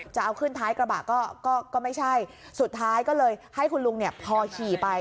จะเอาขึ้นท้ายกระบะก็ไม่ใช่สุดท้ายก็เลยให้คุณลุงเนี่ยพอขี่ไป